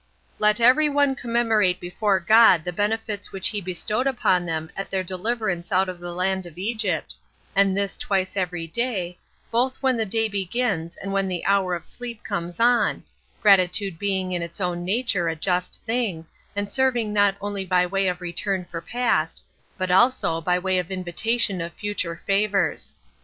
13. Let every one commemorate before God the benefits which he bestowed upon them at their deliverance out of the land of Egypt, and this twice every day, both when the day begins and when the hour of sleep comes on, gratitude being in its own nature a just thing, and serving not only by way of return for past, but also by way of invitation of future favors.